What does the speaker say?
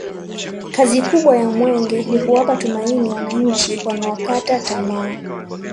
kazi kubwa ya mwenge ni kuwapa tumaini wananchi waliokata tamaa